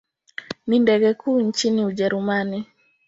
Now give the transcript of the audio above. Ni ndege kuu nchini Ujerumani.